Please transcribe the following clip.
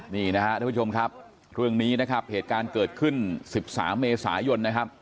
นี่นะครับทุกผู้ชมครับเหตุการณ์เกิดขึ้น๑๓เมษายน